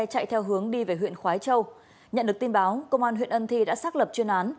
chạy theo hướng đi về huyện khói châu nhận được tin báo công an huyện ân thi đã xác lập chuyên án